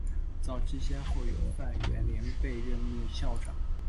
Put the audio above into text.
早期先后有范源濂被任命校长。